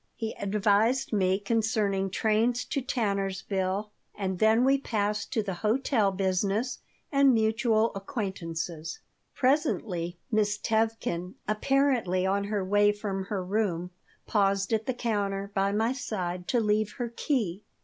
He advised me concerning trains to Tannersville, and then we passed to the hotel business and mutual acquaintances Presently Miss Tevkin, apparently on her way from her room, paused at the counter, by my side, to leave her key.